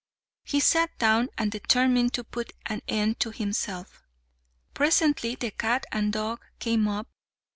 He sat down and determined to put an end to himself. Presently the cat and dog came up.